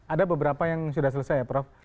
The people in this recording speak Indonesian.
ada beberapa yang sudah selesai ya prof